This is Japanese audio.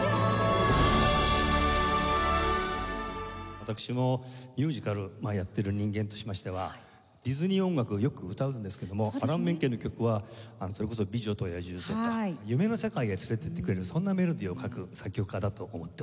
私もミュージカルをやってる人間としましてはディズニー音楽はよく歌うんですけどもアラン・メンケンの曲はそれこそ『美女と野獣』とか夢の世界へ連れていってくれるそんなメロディーを書く作曲家だと思っております。